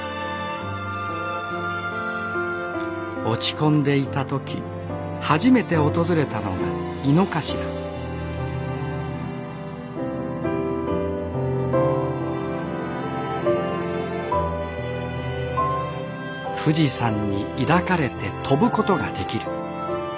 落ち込んでいた時初めて訪れたのが猪之頭富士山に抱かれて飛ぶことができる。